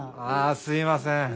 あすいません。